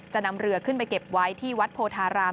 จะนำเรือขึ้นไปเก็บไว้ที่วัดโพธาราม